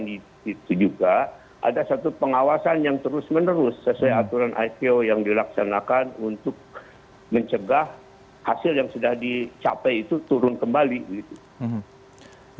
dan di situ juga ada satu pengawasan yang terus menerus sesuai aturan iq yang dilaksanakan untuk mencegah hasil yang sudah dicapai itu turun kembali